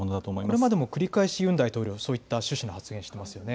これまでの繰り返しユン大統領、そういった趣旨の発言してますよね。